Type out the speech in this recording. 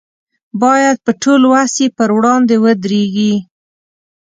باید په ټول وس یې پر وړاندې ودرېږي.